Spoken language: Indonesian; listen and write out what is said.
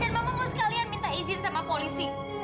dan mama mau sekalian minta izin sama polisi